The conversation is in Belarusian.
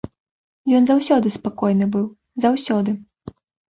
Ён заўсёды спакойны быў, заўсёды.